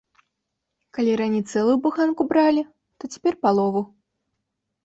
Калі раней цэлую буханку бралі, то цяпер палову.